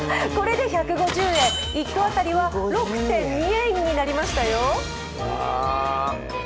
これで１５０円１個あたりは６．２円になりましたよ。